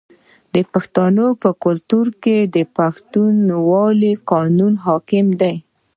د پښتنو په کلتور کې د پښتونولۍ قانون حاکم دی.